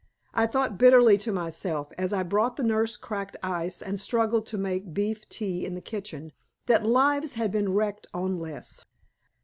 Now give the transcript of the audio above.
I thought bitterly to myself as I brought the nurse cracked ice and struggled to make beef tea in the kitchen, that lives had been wrecked on less.